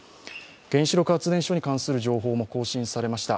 原子力発電所に関する情報も更新されました。